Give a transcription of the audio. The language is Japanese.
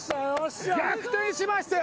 逆転しましたよ